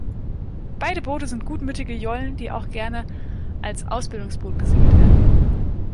Beide Boote sind gutmütige Jollen, die auch gerne als Ausbildungsboot gesegelt werden.